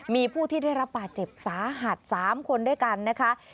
มีผู้ที่ได้รับบาดเจ็บสาหัส๓คนด้วยกันนะคะ